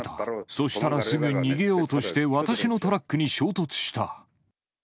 そしたらすぐ逃げようとして、私のトラックに衝突した。